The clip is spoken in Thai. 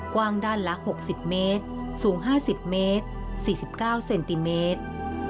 กว้างด้านละ๖๐เมตรสูง๕๐เมตร๔๙เซนติเมตร